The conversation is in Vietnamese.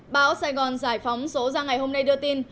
báo sài gòn giải phóng số ra ngày hôm nay đưa tin